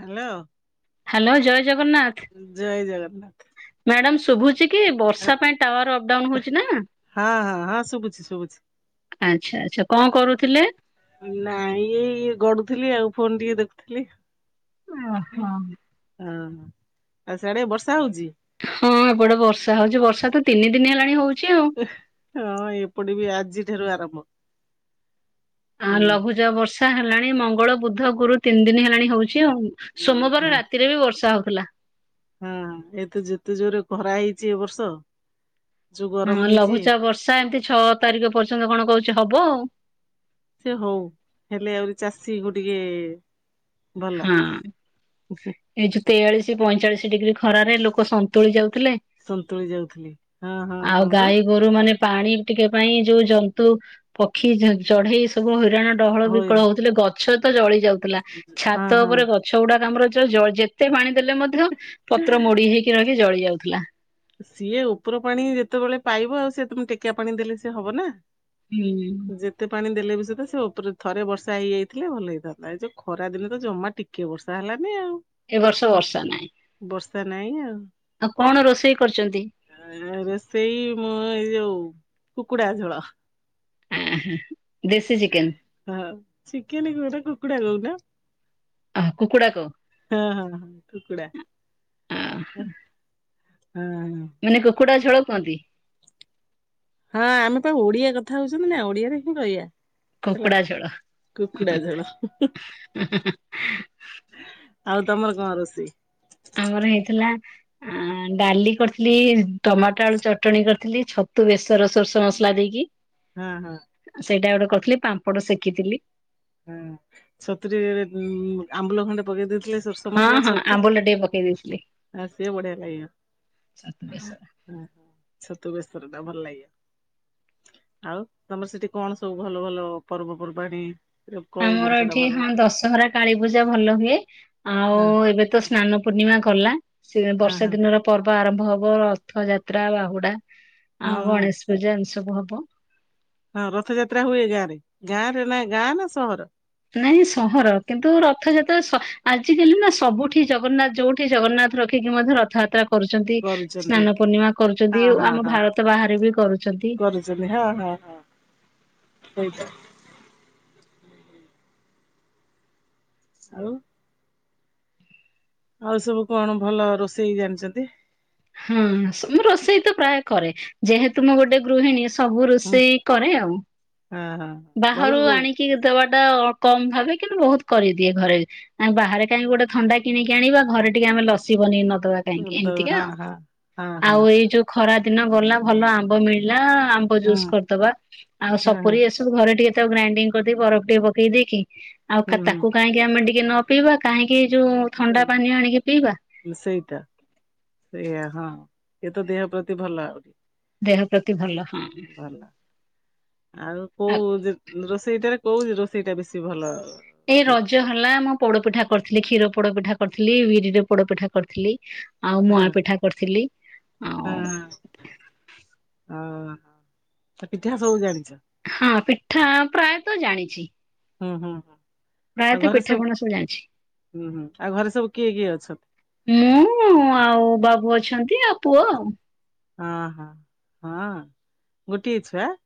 Hello. Hello ଜୟ Jagannath Jagannath. Madam ଶୁଭୁଛି କି ବର୍ଷା ପାଇଁ ଟାୱାର ଅପଡାଉନ ହଉଛି ନା। ହଁ ହଁ ହଁ ଶୁଭୁଛି ଶୁଭୁଛି। ଅଚ୍ଛା ଆଚ୍ଛା କଣ କରୁଥିଲେ? ନାଇଁ ଇଏ ଇ ଗଡୁଥିଲି ଆଉ ଫୋନ ଟିକେ ଦେଖୁଥିଲି। ଓହୋ। ଓ ଆଉ ସେଆଡେ ବର୍ଷା ହଉଚି? ହଁ ଏପଟେ ବର୍ଷା ହଉଛି ବର୍ଷା ତ ତିନି ଦିନ ହେଲାଣି ହଉ ହଁ ଏପଟ ବି ଆଜିଠାରୁ ଆରମ୍ଭ। ଆ ହୁଁ ଲଘୁଚାପ ବର୍ଷା ହେଲାଣି ମଙ୍ଗଳ ବୁଧ ଗୁରୁ ତିନି ଦିନ ହେଲାଣି ହଉ ଚି ଆଉ ହଁ ସୋମବାର ରାତିରେ ବି ବର୍ଷା ହଉଥିଲା। ହଁ ଏତ ଯେତେ ଜୋରେ ଖରା ହେଇଛି ଏ ବର୍ଷ। ଯୋଉ ଗରମ ହଁ ହେଇଛି ଲଘୁଚାପ ବର୍ଷା ଏମିତି ଛଅ ତାରିଖ ପର୍ଯ୍ୟନ୍ତ କଣ କହୁଛି ହବ ଆଉ। ସେ ହଉ ହେଲେ ଆହୁରି ଚାଷୀ କୁ ଟିକେ ଭଲ ହଁ ଏଇ ଯୋଉ ତେୟାଳିଶ ପଇଁଚାଳିଶ ଡିଗ୍ରୀ ଖରାରେ ଲୋକ ସନ୍ତୁଳି ଯାଉ ସନ୍ତୁଳି ଯାଉଥିଲି ହଁ ହଁ ଆଉ ହଁ ପା। ଗାଈ ଗୋରୁ ମାନେ ପାଣି ଟିକେ ପାଇଁ ଯୋଉ ଜନ୍ତୁ ପକ୍ଷୀ ଚଢେଇ ସବୁ। ହଁ ଡହଳ ହଇ ବିକଳ ହଉଥିଲେ ଗଛ ତ ଜଳି ଯାଉଥିଲା ହଁ ଛାତ ହଁ ଉପରେ ଗଛ ଗୁଡା। ଆମର ଯେତେ ପାଣି ଦେଲେ ମଧ୍ୟ ପତ୍ର ମୋଡି ହେଇକି ରହିକି ଜଳି ଯାଉଥିଲା। ସିଏ ଉପର ପାଣି ଯେତେବେଳେ ପାଇବ ଆଉ ସି ତମେ ଟେକିଆ ପାଣି ଦେଲେ ସିଏ ହବ ନା। ହୁଁ ଉଁ। ଯେତେ ପାଣି ଦେଲେ ବି ସହିତ ସେ ଉପରେ ଥରେ ବର୍ଷା ହେଇଯାଇଥିଲେ ଭଲ ହେଇଥାନ୍ତା ଏ ଯଉ ଖରା ଦିନେ ତ ଜମା ଟିକେ ବର୍ଷା ହେଲାନି ଆଉ। ଏବର୍ଷ ବର୍ଷା ନାଇଁ। ସେ ନାଇଁ ଆଉ। ଆଉ କଣ ରୋଷ ରୋଷେଇ ମୁଁ ଏଇ ଯୋଉ କୁକୁଡ଼ା ଝୋଳ। ଏଁ ହଁ। ହଁ ଚିକେନ କୁ ନା କୁକୁଡା କହୁନ। କୁକୁଡାକୁ ହଁ ହଁ ହଁ କୁକୁଡ଼ା। ଆ ହଁ ମାନେ କୁକୁଡ଼ା ଝୋଳ କୁହନ୍ତି। ହଁ ଆମେ ପା ଓଡିଆ କଥା ହଉଛନ୍ତି ନା ଓଡିଆରେ ହିଁ କହିବା। ହେଲା କୁକୁଡ଼ା ଝୋଳ। କୁକୁଡା ଝୋଳ ଆଉ ତମର କଣ ରୋଷେଇ? ଆମର ହେଇଥିଲା ଆ ଡାଲି କରିଥିଲି ଟମାଟୋ ଆଳୁ ଚଟଣି କରିଥିଲି ଛତୁ ବେସର ସୋରିଷ ମସଲା ଦେଇକି ହଁ ହଁ ସେଇଟା ଗୋଟେ କରିଥିଲି ପାମ୍ପଡ ସେକିଥିଲି। ହଁ ଛତୁ ରେ ଆମ୍ବୁଲ ଖଣ୍ଡେ ପକେଇଦେଇଥି ହଁ ହଁ ଆମ୍ବୁଲ ଟେ ପକେଇ ଦେଇ ଆ ସେ ବଢିଆ ଛତୁ ଖାଇବା। ବେସର ହଁ ଛତୁ ବେଶର ଟା ଭଲ ଲାଗେ। ଆଉ ତମର ସେଠି କଣ ସବୁ ଭଲ ଭଲ ପର୍ବପର୍ବାଣିୀ। କହୁ ଆମର ଏଠି ହଁ ଦଶହରା କାଳୀ ପୂଜା ଭଲ ହୁଏ ଆଉ ହଁ ଏବେ ତ ସ୍ନାନ ପୂର୍ଣ୍ଣିମା ଗଲା। ସେ ହଁ ବର୍ଷା ହଁ ଦିନର ପର୍ବ ଆରମ୍ଭ ହବ ରଥ ଯାତ୍ରା ବାହୁଡା ହୁଁ ଆଉ ହୁଁ ଗଣେଶ ପୂଜା ଏମିତି ସବୁ ହବ। ହଁ ରଥଯାତ୍ରା ହୁଏ ଗାଁ ରେ ଗାଁ ରେ ନା ଗାଁ ନା ସହର। ନାଇଁ ସହର କିନ୍ତୁ ରଥଯାତ୍ରା ଆଜିକାଲି ନା ସବୁଠି ଜଗନ୍ନାଥ ଯୋଉଠି ଜଗନ୍ନାଥ ରଖିକି ମଧ୍ୟ ରଥଯାତ୍ରା। କରୁଛନ୍ତି କରୁଛନ୍ତି ସ୍ନାନ ପୂର୍ଣ୍ଣିମା ହଁ କରୁଛନ୍ତି ଓ ହଁ ଆମ ହଁ ଭାରତ ବାହାରେ ବି କରୁଛନ୍ତି। ହଁ ହେଇଟା। ଆଉ? ଆଉ ସବୁ କଣ ଭଲ ରୋଷେଇ ଜାଣିଛନ୍ତି? ହଁ ମୁଁ ରୋଷେଇ ତ ପ୍ରାୟ କରେ, ଯେହେତୁ ମୁଁ ଗୋଟେ ଗୃହିଣୀ ସ ସବୁ ହୁଁ ରୋଷେଇ କରେ ଆଉ। ହଁ ହଁ ଭଲ ବାହାରୁ କହୁଛି ଆଣିକି ଦବା କମ ଭାବେ କିନ୍ତୁ ବହୁତ କରିଦିଏ ଘରେ ବାହାରେ କାହିଁକି ଗୋଟେ ଥଣ୍ଡା କିଣିକି ଆଣିବା ଘରେ ଟିକେ ଆମେ ଲସି ବନେଇ ନବ ବା କାହିଁକି ତ ଏମିତିକା ହଁ ଆଉ, ହଁ ହଁ ହଁ ଆଉ ଏଇ ହଁ ଯୋଉ ଖରା ଦିନ ଗଲା ଭଲ ଆମ୍ବ ମିଳିଲା ଆମ୍ବ ଜୁସ୍ ହୁଁ କରିଦବା ଆଉ ହଁ ହଁ ସପୁରି ଏସବୁ ଘରେ ଟିକେ ତାକୁ ଗ୍ରାଇଣ୍ଡିଙ୍ଗ କରିଦେଇକି ବରଫ ଟିକେ ପକେଇ ଦେଇକି ଆଉ ହୁଁ ତାକୁ କାହିଁକି ଆମେ ଟିକେ ନ ପିଇବା କାହିଁକି ଯୋଉ ଥଣ୍ଡା ପାନୀୟ ଆଣିକି ପିଇବା। ହୁଁ ସେଇଟା ସେଇଆ ହଁ ଏ ତ ଦେହ ପ୍ରତି ଭଲ ଆହୁରି। ଦେହ ପ୍ରତି ଭଲ। ହଁ ଭଲ, ଆଉ କୋଉ ରୋଷେଇଟାରେ କୋଉ ରୋଷେଇ ଟା ବେଶୀ ଭଲ? ଏଇ ରୋଷେଇ? ରଜ ହେଲା ଆମ ପୋଡପିଠା। କରିଥିଲି କ୍ଷୀର ପୋଡପିଠା କରିଥିଲି, ବିରିରେ ପୋଡପିଠା କରିଥିଲି। ଆଉ ହଁ ମୁଆଁ ପିଠା କରିଥିଲି, ହଁ ଆଉ ତ ପିଠା ସବୁ ଜାଣି ହଁ ପିଠା ପ୍ରାୟତ ଜାଣିଛି। ହୁଁ ହୁଁ ହୁଁ। ଆଉ ପ୍ରାୟତଃ ଘରେ ପିଠା ପଣା ସବୁ ଜାଣିଛି। ହୁଁ ହୁଁ ଆଉ ଘରେ ସବୁ କିଏ କିଏ ଅଛନ୍ତି? ମୁଁ ଆଉ ବାବୁ ଅ ଅଛନ୍ତି ଆଉ ପୁଅ ଆଉ। ହଁ ହୋ ହଁ, ଗୋଟିଏ ଛୁଆ?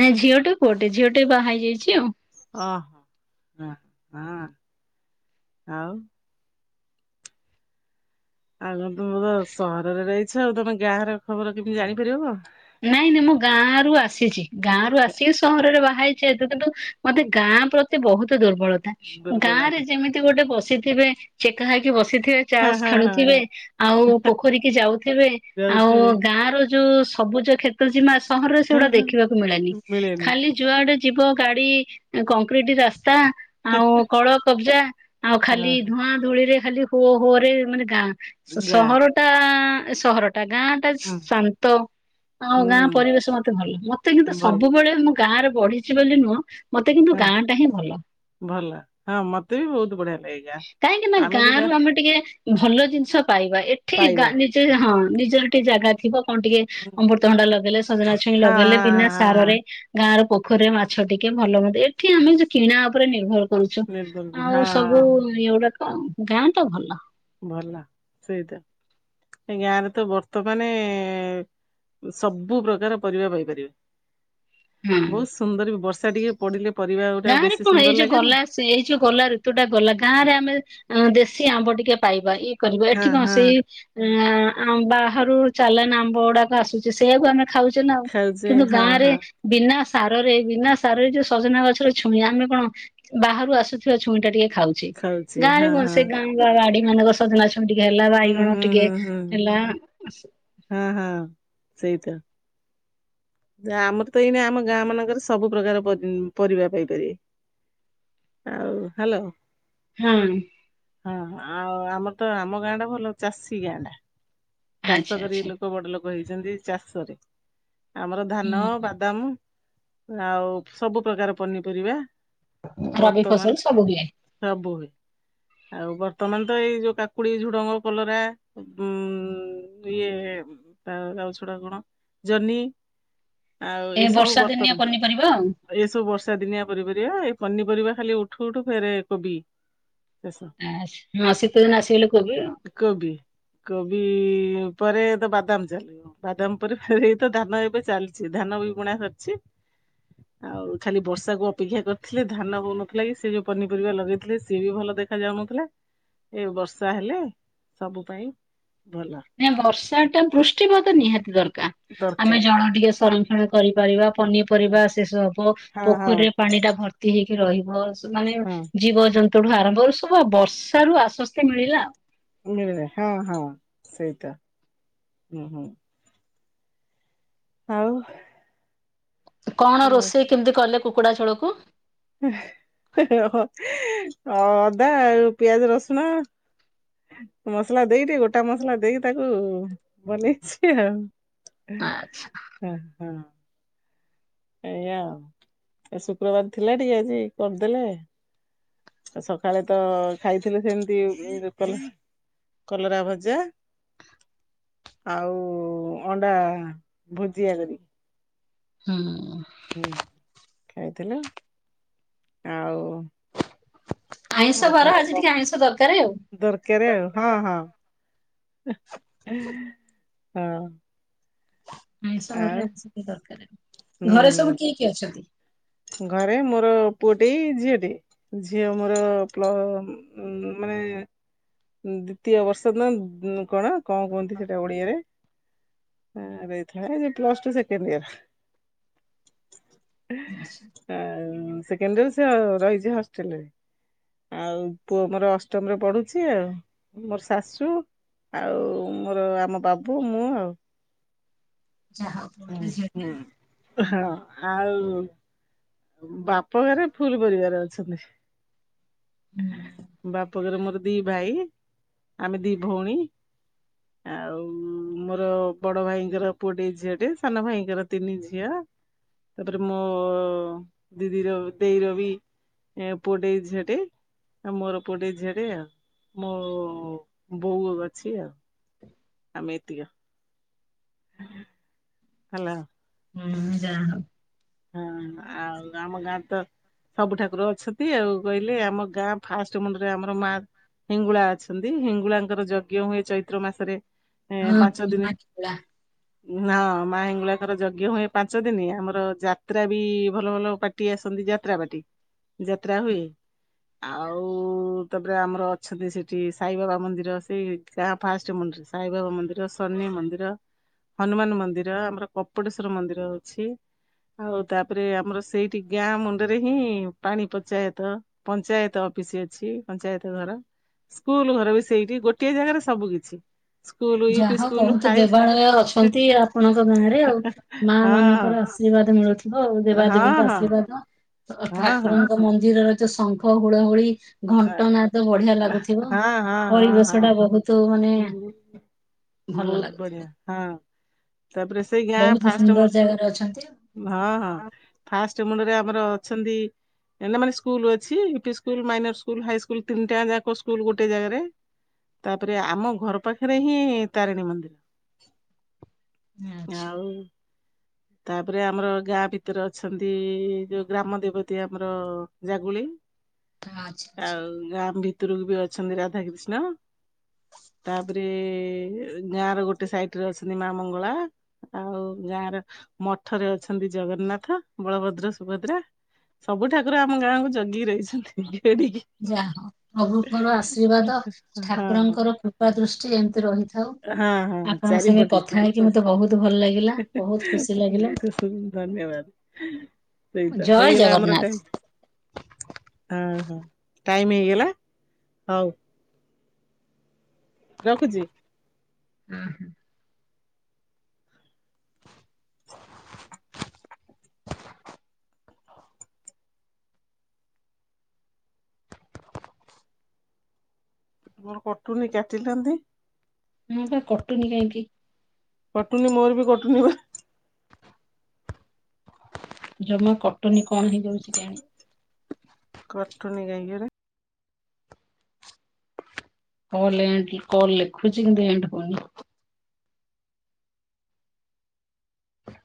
ନାଇଁ ଝିଅଟେ ପୁଅ ଟେ ଝିଅ ଟେ ବାହା ହେଇଯାଇଛି ଆଉ। ଓହୋ ହ ହଁ, ଆଉ? ଆଉ ତମେ ତ ସହରରେ ରହିଛ ଆଉ ତମେ ଗାଁ ର ଖବର କେମିତି ଜାଣିପାରିବ କଣ? ନାଇଁ ନାଇଁ ମୁଁ ଗାଁ ରୁ ଆସିଛି, ଗାଁ ରୁ ଆସିକି ସହରରେ ବାହା ହେଇଛି ସେତୁ କିନ୍ତୁ ମତେ ଗାଁ ପ୍ରତି ବହୁତ ଦୁର୍ବଳତା, ଦୁର୍ବଳ ଗାଁ ରେ ଯେମିତି ଗୋଟେ ବସି ଥିବେ ଚେକା ହେଇକି ବସି ଥିବେ, ହଁ ତାସ ହଁ ହଁ ଖେଳୁଥିବେ, ଆଉ ପୋଖରୀ କି ଯାଉଥିବେ, ଆଉ ଯାଉଥିବେ ଗାଁ ର ଯୋଉ ସବୁଜ କ୍ଷେତ୍ର ସୀମା ସହରରେ ହଁ, ସେଗୁଡା ହଁ, ଦେଖିବାକୁ ମିଳେନି, ମିଳେନି। ଖାଲି ଯୁଆଡେ ଯିବ ଗାଡି କଂକ୍ରିଟ ରାସ୍ ରାସ୍ତା ଆଉ କଳ କବଜା ଆଉ ହଁ ଖାଲି ହଁ, ଧୂଆଁ ଧୂଳିରେ ଖାଲି ହୋ ହୋ ରେ ମାନେ ଗାଁ ଗାଁ ସହର ଟା ସହର ଗାଁ ଟା ହୁଁ ଶାନ୍ତ ଆଉ ଗାଁ ହୁଁ ପରିବେଶ ମତେ ଭଲ ମତେ କିନ୍ତୁ ଭଲ ସବୁବେଳେ ମ ମୁଁ ଗାଁରେ ବଢିଛି ବୋଲି ନୁହଁ ମତେ କିନ୍ତୁ ହଁ। ଗାଁ ଟା ହିଁ ଭଲ। ଭଲ ହଁ ମତେ ବି ବହୁତ ବଢିଆ ଲାଗେ ଗାଁ, କାହିଁକି ନା ଆମେ ବି ରୁ ଗାଁ ଟିକେ ଭଲ ଜିନିଷ ପାଇବା ଏଠି ପାଇବା। ଗାଁ, ନିଜେ ହଁ ନିଜର ଟିକେ ଜାଗା ଥିବ କଣ ଟିକେ ହଁ ଅମୃତଭଣ୍ଡା ଲଗେଇଲେ ସଜନା ଛୁଇଁ ହଁ ଲଗେଇଲେ ହଁ ବିନା ସାର ରେ ହଁ ଗାଁର ପୋ ପୋଖରୀ ରେ ମାଛ ଟିକେ ଭଲ ମନ୍ଦ ଏଠି ଆମେ ଯଉ କିଣା ଉପରେ ନିର୍ଭର କରୁଛୁ, ନିର୍ମଲ ହଁ ଆଉ ସବୁ ଏଗୁଡାକ ଗାଁ ତ ଭଲ। ଭଲ ସେଇଟା ଏ ଗାଁରେ ତ ବର୍ତ୍ତମାନ ସବୁ ପ୍ରକାର ପରିବା ପାଇପାରିବା, ହଁ। ବହୁତ ସୁନ୍ଦର ବି ବର୍ଷା ଟିକେ ପଡିଲେ ପରିବା ଗୁଟା ଗାଁ ରେ ବେଶୀ କଣ ଏଇ ସୁନ୍ଦର ଯୋଉ ଲାଗେନି ଗଲା ସେଇ ଯୋଉ ଗଲା ଋତୁ ଟା ଗଲା ଗାଁ ରେ ଆମେ ଅ ଦେଶୀ ଆମ୍ବ ଟିକେ ପାଇବା ଇଏ କରିବା ହଁ ଏଠି କଣ ହଁ। ସେଇ ଅ ଆ ବାହାରୁ ଚାଲାନ ଆମ୍ବ ଗୁଡାକ ଆସୁଛି, ସେଇଆକୁ ଆମେ ଖାଉଛେ ନାଉ, ଖାଉଛେ କିନ୍ତୁ ହଁ ଗାଁ ରେ ହଁ ବିନା ସାରରେ ବିନା ସାରରେ ଯୋଉ ସଜନା ଗଛ ଛୁଇଁ ଆମେ କଣ ବାହାରୁ ଆସୁଥିବା ଛୁଇଁ ଟା ଟିକେ ଖାଉଛେ ଗାଁରେ ହଁ କଣ ହଁ ସେ ଗାଁ ବା ବାଡି ମାନଙ୍କ ସଜନା ଛୁ ଟିକେ ହେଲା ହୁଁ ବାଇଗଣ ହୁଁ ଟିକେ ହୁଁ ହୁଁ। ହେଲା ହଁ ହଁ ସେଇ ତ ଆ ଆମର ତ ଏଇନା ଆମ ଗାଁ ମାନଙ୍କରେ ସବୁ ପ୍ରକାର ପରିବା ପାଇପାରିବେ। ଆଉ ହ୍ୟାଲୋ। ହଁ। ହଁ ଆଉ ଆମର ତ ଆମ ଗାଁ ଟା ଭଲ ଚାଷୀ ଗାଁ ଟା। ଚାଷ ଆଚ୍ଛା କରି ଆଚ୍ଛା ଲୋକ ବଡ ଲୋକ ହେଇଛନ୍ତି ଚାଷରେ ଆମର ଧାନ ହୁଁ ବାଦାମ ଆଉ ସବୁ ପ୍ରକାର ପନିପରିବା ରବି ଫସଲ ବର୍ତ୍ତମାନ ସବୁ ହୁଏ ସବୁ ହୁଏ। ଆଉ ବ ତମେ ତ ଏଇ ଯୋଉ କାକୁଡି ଝୁଡ଼ଙ୍ଗ କଲରା ଉ ଇଏ ତା ଗାଉଛଡା କଣ ଜହ୍ନି। ଆଉ ଏ ଏସବୁ ବର୍ଷା ଦିନିଆ ବର୍ତ୍ତମାନ ପନିପରିବା ଆଉ। ଏସବୁ ବର୍ଷା ଦିନିଆ ପନି ପରିବା। ପନିପରିବା ଖାଲି ଉଠୁ ଉଠୁ ଫେରେ କୋବି ଶେଷ ଆ, ହଁ ଶୀତ ଦିନ ଆସିଗଲେ କୋବି କୋବି କୋବି ପରେ ତ ବାଦାମ ଚାଲିବ ବାଦାମ ପରେ ଫେରେ ଏଇତ ଧାନ ଏବେ ଚାଲିଛି ଧାନ ବି ବୁଣା ସରିଛି। ଆଉ ଖାଲି ବର୍ଷା କୁ ଅପେକ୍ଷା କରିଥିଲେ ଧାନ ହଉ ନଥିଲା କି ସେ ଯୋଉ ପନିପରିବା ଲଗେଇଥିଲେ ସିଏ ବି ଭଲ ଦେଖା ଯାଉନଥିଲା ଏ ବର୍ଷା ହେଲେ ସବୁ ପାଇଁ ଭଲ ନା ବର୍ଷା ଟା ବୃଷ୍ଟିପାତ ନିହାତି ଦରକାର ଆମେ ଦରକାର ଜଳ ଟିକେ ସଂରକ୍ଷଣ କରିପାରିବା ପନିପରିବା ଶେଷ ହବ ହଁ ହଁ ପୋଖରୀରେ ପାଣି ଟା ଭର୍ତି ହେଇକି ରହିବ। ସ ମାନେ ହଁ ଜୀବଜନ୍ତୁଠୁ ଆରମ୍ଭରୁ ସବୁ ଆଉ ବର୍ଷା ରୁ ଆସ୍ୱସ୍ତି ମିଳିଲା ଆଉ। ମିଳେ ହଁ ହଁ ସେଇଟା ହୁଁ ହୁଁ। ଆଉ। କଣ ଆଉ ରୋଷେଇ କେମିତି କଲେ କୁକୁଡା ଛୋଳକୁ? ଅଦା ଆଉ ପିଆଜ ରସୁଣ ମସଲା ଦେଇଦି ଗୋଟା ମସଲା ଦେଇକି ତାକୁ ବନେଇଛି ଆଉ। ଆଚ୍ଛା ହ ହଁ। ଏଇଆ ଆଉ ଶୁକ୍ରବାର ଥିଲା ଟିକେ ଆଜି କରିଦେଲେ ସକାଳେ ତ ଖାଇଥିଲେ ସେମିତି କଲେ କଲରା ଭଜା ଆଉ ଅଣ୍ଡା ଭୋଜିଆ ଦେଲି। ହୁଁ। ହୁଁ ଖାଇଥିଲୁ ଆଉ। ଆଇଁଷ ଆଉ ବାର ଆଜି ଟିକେ ଆଇଁଷ ଦରକାର ଆଉ। କଣ ଦରକାରେ ଆଉ ହଁ ହଁ। ହିଁ ହେ ହଁ। ଆଇଁସ ଆଉ ବାରରେ [unintelligible] ଦରକାର। ଘରେ ହୁଁ ସବୁ କିଏ କିଏ ଅଛନ୍ତି? ଘରେ ମୋର ପୁଅଟେଇ ଝିଅଟେ ଝିଅ ମୋର ପ୍ଲ ମାନେ [inaudible] ଦ୍ଵିତୀୟ ବର୍ଷ ଦିନ କଣ କଣ କୁହନ୍ତି ସେଟା ଓଡିଆରେ ଥିଲା ପ୍ଲସ୍ ଟୁ ସେକଣ୍ଡ ଇୟର ଆଛା। ଆଁ ସେଣ୍ଡ ଇଅର ସେ ରହିଛି ହଷ୍ଟେଲରେ। ଆଉ ପୁଅ ମୋର ଅଷ୍ଟମରେ ପଢୁଛି ଆଉ। ମୋର ଶାଶୁ ଆଉ ମୋର ଆମ ବାବୁ ମୁଁ ଆଉ। ହୁଁ ହୁଁ ହଁ। ଆଉ ବାପ ଘରେ ଫୁଲ ପରିବାର ଅଛନ୍ତି। ବାପ ଘରେ ମୋର ଦି ଭାଇ ଆମେ ଦି ଭଉଣୀ। ଆଉ ମୋର ବଡ ଭାଇଙ୍କର ପୁଅଟିଏ ଝିଅଟିଏ ସାନ ଭାଇଙ୍କର ତିନି ଝିଅ। ତାପରେ ମୋ ଦିଦିର ଦେଇ ର ବି ଏ ପଡେେଇ ଝଠେ ଆ ମୋର ପୁଅଟେ ଝିଅଟେ ଆ ମୋ ବୋଉ ଅଛି ଆଉ। ଆମେତିଆ ହେଲା! ହୁଁ ଯାହାଉ ହଁ ଆଉ ଆମ ଗାଁ ତ ସବୁ ଠାକୁର ଅଛନ୍ତି ଆଉ କହିଲେ ଆମ ଗାଁ ଫାଷ୍ଟ ମୁଣ୍ଡରେ ଆମର ମା ହିଙ୍ଗୁଳା ଅଛନ୍ତି, ହିଙ୍ଗୁଳାଙ୍କର ଯଜ୍ଞ ହୁଏ ଚୈତ୍ର ମାସରେ ଏ ହଁ ପାଞ୍ଚ ଦିନ ମାହିଙ୍ଗୁଳା ହଁ ମା ହିଙ୍ଗୁଳାଙ୍କର ଯଜ୍ଞ ହୁଏ, ପାଞ୍ଚ ଦିନ ଆମର ଯା ଯାତ୍ରା ବି ଭଲ ଭଲ ପାଟି ଆସନ୍ତି, ଯାତ୍ରା ପାଟି ଯାତ୍ରା ହୁଏ। ଆଉ ତାପରେ ଆମର ଅଛନ୍ତି ସେଠି ସାଇବାବା ମନ୍ଦିର ସେଇ ଗାଁ ଫାଷ୍ଟ ମନ୍ଦିର ସାଇବାବା ମନ୍ଦିର ସନି ମନ୍ଦିର ହନୁମାନ ମନ୍ଦିର ଆମର କପଟେଶ୍ଵର ମନ୍ଦିର ଅଛି। ଆଉ ତାପରେ ଆମର ସେଇଠି ଗାଁ ମୁଣ୍ଡରେ ହିଁ ପାଣି ପଞ୍ଚାୟତ ପଞ୍ଚାୟତ ଅଫିସ ଅଛି ପଞ୍ଚାୟତ ଘର ସ୍କୁଲ ଘର ବି ସେଇଠି ଗୋଟିଏ ଜାଗାରେ ସବୁ କିଛି ସ୍କୁଲ ୟୁପି ଯାହା ସ୍କୁଲ ବହୁତ ହାଇ ଦେବାଳୟ ଅଛନ୍ତି ଆପଣଙ୍କ ଗାଁ ରେ ଆଉ ମା ମାନଙ୍କର ହଁ ଆଶର୍ବାଦ ମିଳୁ ହଉଉ ହଁ ଦେବାଦେବୀଙ୍କ ହଁ ଆଶୀର୍ବାଦ ହଁ ହଁ। ଠାକୁରଙ୍କ ମନ୍ଦିରର ଯୋଉ ଶଙ୍ଖ ହୁଳ ହୁଳି ଘଣ୍ଟ ନାଦ ବଢିଆ ଲାଗୁଥିବ ହଁ ହଁ ହଁ ହଁ ପରିବେଶଟା ବହୁତ ମାନେ ଭଲ ବହୁତ ବଢିଆ ଲାଗୁଥିବ। ହଁ। ତାପରେ ସେଇ ଗାଁ ବହୁତ ଫାଷ୍ଟ ହଁ ସୁନ୍ଦର ଜାଗାରେ ଅଛନ୍ତି ହଁ ଫାଷ୍ଟ ରେ ଆମର ଅଛନ୍ତି, ମାନେ ସ୍କୁଲ ଅଛି UP school minor school high school ତିନିଟା ଯାକ ସ୍କୁଲ ଗୋଟେ ଜାଗାରେ ତାପରେ ଆମ ଘର ପାଖରେ ହିଁ ତାରିଣୀ ମନ୍ଦିର [inaudible] ଆଉ। ତାପରେ ଆମର ଗାଁ ଭିତରେ ଅଛନ୍ତି, ଯୋଉ ଗ୍ରାମ ଦେବତୀ ଆମର ଜାଗୁଳି [inaudible] ଆଚ୍ଛା। ଆଉ ଗଁ ଭିତରକୁ ବି ଅଛନ୍ତି ରାଧା କୃିଷ୍ଣ ତାପରେ ଗାଁ ର ଗୋଟେ ସାଇଟ୍ ରେ ଅଛନ୍ତି ମା ମଙ୍ଗଳା ଆଉ ଗାଁ ର ମଠରେ ଅଛନ୍ତି, ଜଗନ୍ନାଥ ବଳଭଦ୍ର ସୁଭଦ୍ରା ସବୁ ଠାକୁର ଆମ ଗାଁକୁ ଜଗିି କି ରହିଛନ୍ତି ଟିକେ ଯା ହଉ ପ୍ରଭୁଙ୍କର ଆଶୀର୍ବାଦ ହଁ ଠାକୁରଙ୍କର କୃପା ଦୃଷ୍ଟି ଏମିତି ରହିଥାଉ। ହଁ ହଁ ଆପଣଙ୍କ ସାଙ୍ଗେ ଚାରିପଟେ କଥା ଆଣିକି ମତେ ବହୁତ ଭଲ ଲାଗିଲା ବହୁତ ଖୁସି ଲାଗିଲା। ସେଇଟ ଜୟ ହେଇଗଲା ଆମର ଜଗନ୍ନାଥ। ଟାଇମ, ହଁ। ଟାଇମ ହେଇଗଲା ହଉ। ରଖୁଛି! ହୁଁ ହଁ। କଣ କଟୁନି କାଟଛନ୍ତି? ହଁ ବା କଟୁନି କାହିଁକି? କଟୁନି ମୋର ବି କଟୁନି ବା। ଜମା କଟନୀ କଣ ହେଇଯାଉଛି କେଣ? କଟୁନି କାହିଁକିରେ? କଲ ଏଣ୍ଡ କଲ ଲେଖୁଛି କଲ୍ ଏଣ୍ଡ ହଉନି।